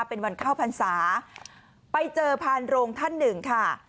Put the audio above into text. เป็นวันเข้าพรรษาไปเจอพานโรงท่านหนึ่งค่ะ